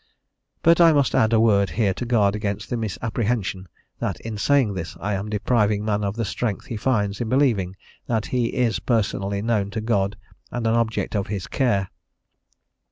But I must add a word here to guard against the misapprehension that in saying this I am depriving man of the strength he finds in believing that he is personally known to God and an object of his care.